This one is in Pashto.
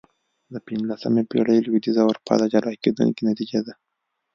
د پنځلسمې پېړۍ لوېدیځه اروپا د جلا کېدنې نتیجه ده.